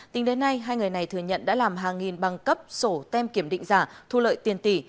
tính đến nay hai người này thừa nhận đã làm hàng nghìn bằng cấp sổ tem kiểm định giả thu lợi tiền tỷ